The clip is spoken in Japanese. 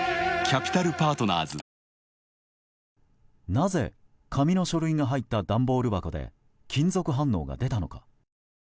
なぜ、紙の書類が入った段ボール箱で金属反応が出たのか。